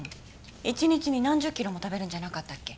一日に何十キロも食べるんじゃなかったっけ？